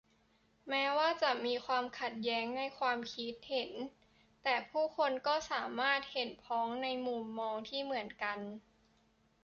แม้ว่าจะมีความขัดแย้งในความคิดเห็น แต่ผู้คนก็สามารถเห็นพ้องในมุมมองที่เหมือนกัน